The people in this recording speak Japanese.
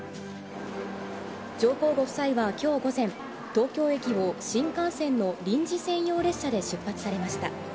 上皇ご夫妻はきょう午前、東京駅を新幹線の臨時専用列車で出発されました。